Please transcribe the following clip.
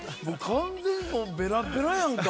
完全もうベラベラやんか。